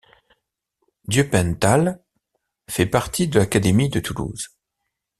Dieupentale fait partie de l'académie de Toulouse.